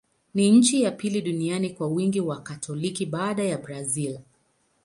Ni nchi ya pili duniani kwa wingi wa Wakatoliki, baada ya Brazil.